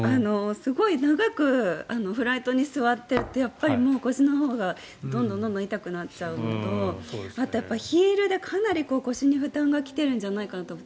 すごい長くフライトに座っているとやっぱり腰のほうがどんどん痛くなっちゃうのとあと、ヒールでかなり腰に負担が来てるんじゃないかって。